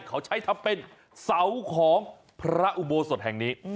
เขาใช้ทำเป็นเสาของพระอุโบสถแห่งนี้